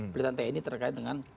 pelibatan tni terkait dengan